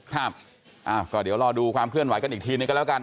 ครับอ้าวก็เดี๋ยวรอดูความเคลื่อนไหวกันอีกทีนึงก็แล้วกัน